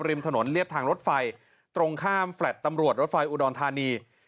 ริมถนนเรียบทางรถไฟตรงข้ามแฟลต์ตำรวจรถไฟอุดรธานี